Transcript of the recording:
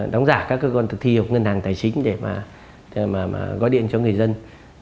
đóng giả các cơ quan thực thi ngân hàng tài chính để mà gọi điện cho người dân